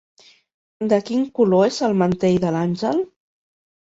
De quin color és el mantell de l'àngel?